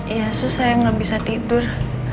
iya susah yang gak bisa tidur